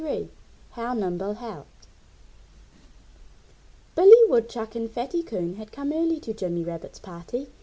XXIII HOW NIMBLE HELPED Billy Woodchuck and Fatty Coon had come early to Jimmy Rabbit's party.